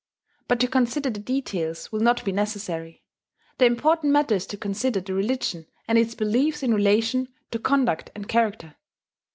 But to consider the details will not be necessary: the important matter is to consider the religion and its beliefs in relation to conduct and character.